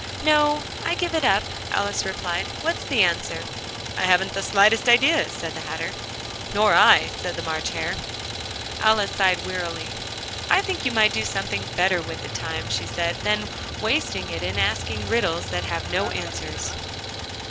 "No, I give it up," Alice replied: "what's the answer?" "I haven't the slightest idea," said the Hatter. "Nor I," said the March Hare. Alice sighed wearily. "I think you might do something better with the time," she said, "than wasting it in asking riddles that have no answers."